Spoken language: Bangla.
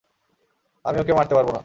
আমি ওকে মারতে পারবো না।